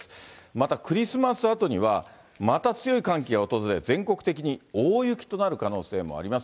またクリスマスあとには、また強い寒気が訪れる、全国的に大雪となる可能性もあります。